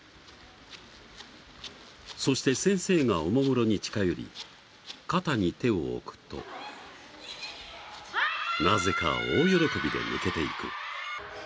そして先生がおもむろに近寄り肩に手を置くとなぜか大喜びで抜けていく。